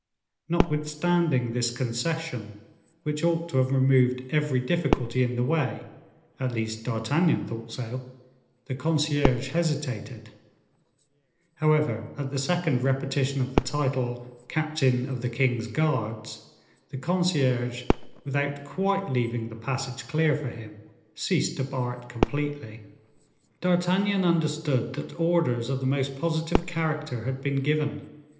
Notwithstanding this concession, which ought to have removed every difficulty in the way, at least D'Artagnan thought so, the concierge hesitated; however, at the second repetition of the title, captain of the king's guards, the concierge, without quite leaving the passage clear for him, ceased to bar it completely. D'Artagnan understood that orders of the most positive character had been given.